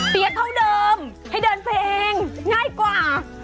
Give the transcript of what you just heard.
เปียกเท่าเดิมให้เดินเพลงง่ายกว่า